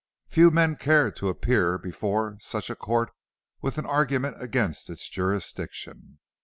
Few men cared to appear before such a court with an argument against its jurisdiction.